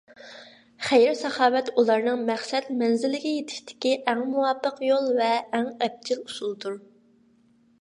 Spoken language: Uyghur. خەير - ساخاۋەت ئۇلارنىڭ مەقسەت مەنزىلىگە يېتىشتىكى ئەڭ مۇۋاپىق يول ۋە ئەڭ ئەپچىل ئۇسۇلدۇر.